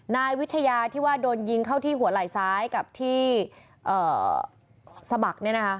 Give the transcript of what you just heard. นายวิทยาที่ว่าโดนยิงเข้าที่หัวไหล่ซ้ายกับที่สะบักเนี่ยนะคะ